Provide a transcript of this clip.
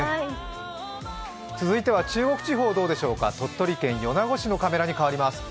続いては中国地方どうでしょうか鳥取県米子市の映像です。